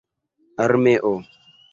armeo